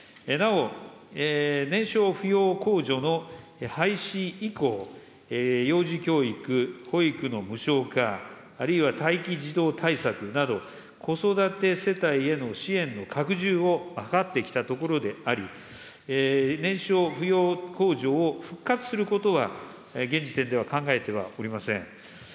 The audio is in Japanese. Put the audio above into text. なお、年少扶養控除の廃止以降、幼児教育・保育の無償化、あるいは待機児童対策など、子育て世帯への支援の拡充を図ってきたところであり、年少扶養控除を復活することは現時点では考えてはおりません。